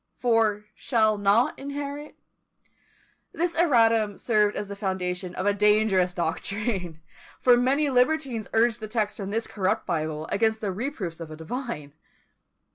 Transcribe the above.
for shall not inherit. This erratum served as the foundation of a dangerous doctrine; for many libertines urged the text from this corrupt Bible against the reproofs of a divine.